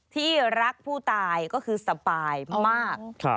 ที่รักผู้ตายก็คือสปายมาก